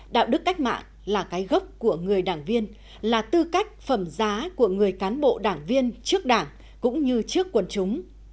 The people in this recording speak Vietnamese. đạo đức cách mạng là cái gốc của người đảng viên là tư cách phẩm giá của người cán bộ đảng viên trước đảng cũng như trước quần chúng